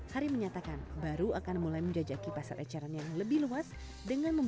hari menyatakan baru akan mulai menjajaki pasar eceran yang lebih luas